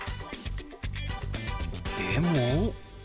でも。